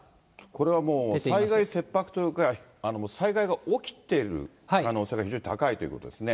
これはもう災害切迫というぐらい、災害が起きている可能性が非常に高いということですね。